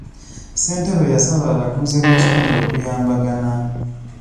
Ssentebe yasaba abatuuze b'ekitundu okuyambagana.